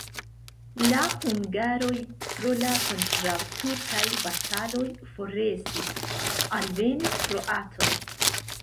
La hungaroj pro la kontraŭturkaj bataloj forestis, alvenis kroatoj.